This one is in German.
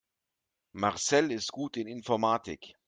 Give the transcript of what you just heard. Marcel ist gut in Informatik.